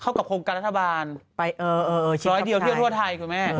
เข้ากับครองการรัฐบาลไปเออเออเออที่จะเดียวทั่วไทย